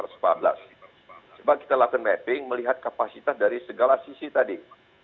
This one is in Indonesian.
sebab kita lakukan mapping melihat kapasitas dari segala sisi tadi